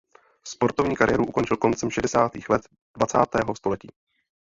Sportovní kariéru ukončil koncem šedesátých let dvacátého století.